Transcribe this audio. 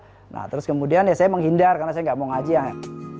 cuma rss gitu lah nah terus kemudian ya saya menghindar karena saya nggak mau ngajian